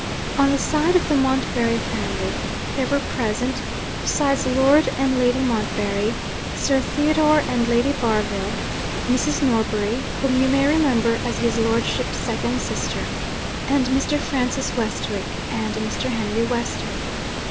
On the side of the Montbarry family, there were present, besides Lord and Lady Montbarry, Sir Theodore and Lady Barville; Mrs. Norbury (whom you may remember as his lordship's second sister); and Mr. Francis Westwick, and Mr. Henry Westwick.